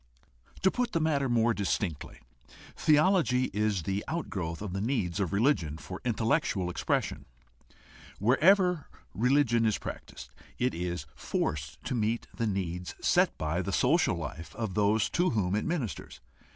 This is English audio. To put the matter more distinctly, theology is the out growth of the needs of religion for intellectual expression. Wherever religion is practiced, it is forced to meet the needs set by the social life of those to whom it ministers.